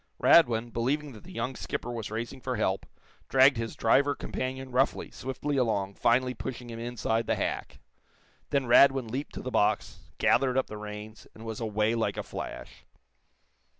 Radwin, believing that the young skipper was racing for help, dragged his driver companion roughly, swiftly along, finally pushing him inside the hack. Then Radwin leaped to the box, gathered up the reins, and was away like a flash.